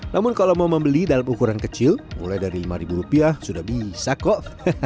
namun kalau mau membeli dalam ukuran kecil mulai dari lima rupiah sudah bisa kok